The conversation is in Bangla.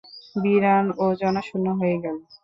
বিরান ও জনশূন্য হয়ে গেল।